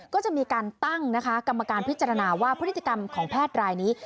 ก็จะมีการตั้งนะคะกรรมการพิจารณาว่าพฤติกรรมของแพทย์รายนี้